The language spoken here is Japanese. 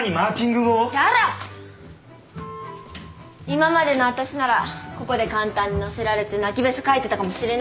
今までの私ならここで簡単に乗せられて泣きべそかいてたかもしれないけど。